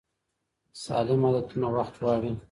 سالم عادتونه وخت غواړي.